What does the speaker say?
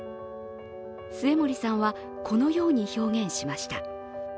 末盛さんはこのように表現しました。